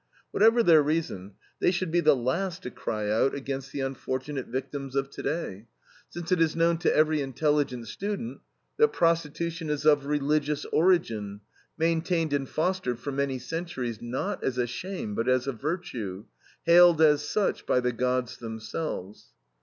Whatever their reason, they should be the last to cry out against the unfortunate victims of today, since it is known to every intelligent student that prostitution is of religious origin, maintained and fostered for many centuries, not as a shame but as a virtue, hailed as such by the Gods themselves.